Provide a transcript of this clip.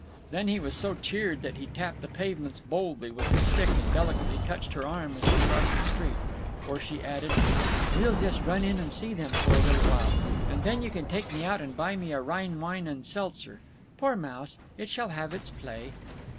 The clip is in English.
Then he was so cheered that he tapped the pavements boldly with his stick and delicately touched her arm as they crossed the street. For she added: "We'll just run in and see them for a little while, and then you can take me out and buy me a Rhine wine and seltzer…. Poor Mouse, it shall have its play!"